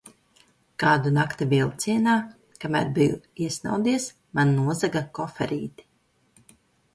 Kādu nakti vilcienā, kamēr biju iesnaudies, man nozaga koferīti.